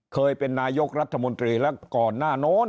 เคยเป็นนายกรัฐมนตรีแล้วก่อนหน้าโน้น